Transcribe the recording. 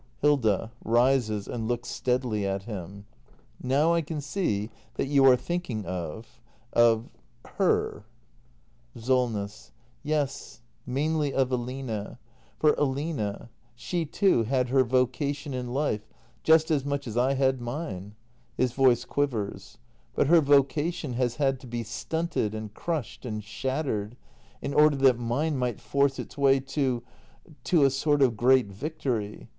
Hilda. [Rises and looks steadily at him.] Now I can see that you are thinking of — of her. act ii] THE MASTER BUILDER 353 SOLNESS. Yes, mainly of Aline. For Aline — s h e, too, had her vocation in life, just as much as I had mine. [His voice quivers.] But her vocation has had to be stunted, and crushed, and shattered — in order that mine might force its way to — to a sort of great victory.